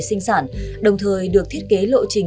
sinh sản đồng thời được thiết kế lộ trình